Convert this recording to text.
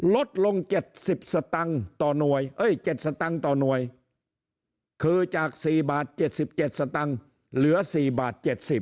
ลดลง๗๐สตังค์ต่อหน่วยคือจาก๔บาท๗๗สตังค์เหลือ๔บาท๗๐